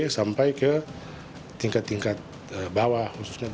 sampai ke tingkat tingkat bawah